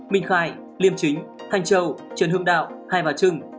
minh khai liêm chính thanh châu trần hương đạo hai bà trưng